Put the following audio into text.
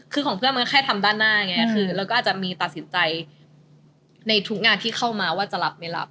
คือของเพื่อนมันแค่ทำด้านหน้าไงคือแล้วก็อาจจะมีตัดสินใจในทุกงานที่เข้ามาว่าจะรับไม่รับ